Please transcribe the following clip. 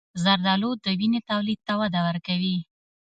زردآلو د وینې تولید ته وده ورکوي.